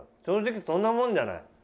正直そんなもんじゃない？